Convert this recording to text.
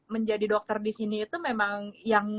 menjadi dokter disini itu memang